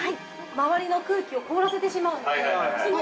周りの空気を凍らせてしまうので、その。